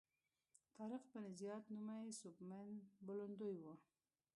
طارق بن زیاد نومي سوبمن بولندوی و.